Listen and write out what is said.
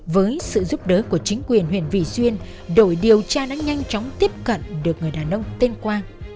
với sự giúp đỡ của chính quyền huyện vị xuyên đội điều tra đã nhanh chóng tiếp cận được người đàn ông tên quang